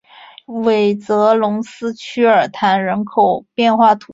韦泽龙斯屈尔坦人口变化图示